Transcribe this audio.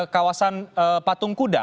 kawasan patung kuda